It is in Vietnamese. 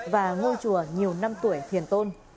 và ngôi chùa nhiều năm tuổi thiền tôn